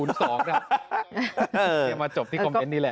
มาจบที่คอมเมนต์นี่แหละ